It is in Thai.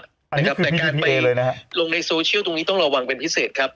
แต่การไปเลยนะฮะลงในโซเชียลตรงนี้ต้องระวังเป็นพิเศษครับ